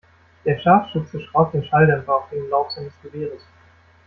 Der Scharfschütze schraubt den Schalldämpfer auf den Lauf seines Gewehres.